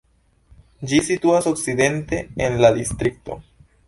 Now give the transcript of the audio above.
Ĝi situas okcidente en la distrikto.